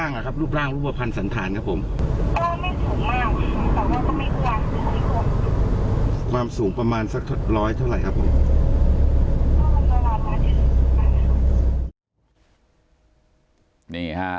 งาก็ไม่สูงมากมา